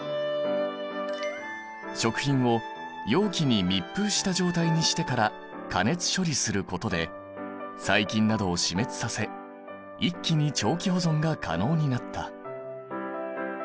食品を容器に密封した状態にしてから加熱処理することで細菌などを死滅させ一気に長期保存が可能になった。